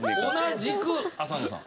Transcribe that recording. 同じく浅野さん。